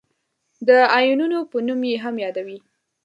د آیونونو په نوم یې هم یادوي.